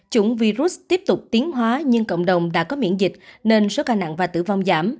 chủng virus tiếp tục tiến hóa nhưng cộng đồng đã có miễn dịch nên số ca nặng và tử vong giảm